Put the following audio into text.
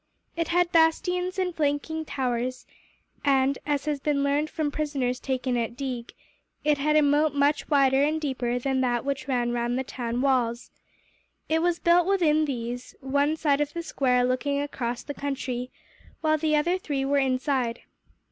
It had bastions and flanking towers and, as had been learned from prisoners taken at Deeg, it had a moat much wider and deeper than that which ran round the town walls. It was built within these, one side of the square looking across the country, while the other three were inside.